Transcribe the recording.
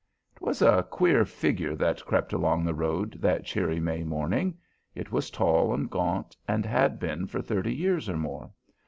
It was a queer figure that crept along the road that cheery May morning. It was tall and gaunt, and had been for thirty years or more.